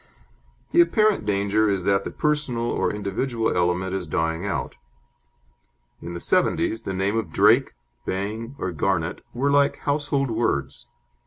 The apparent danger is that the personal or individual element is dying out. In the 'seventies the name of Drake, Bang, or Garnet were like household words.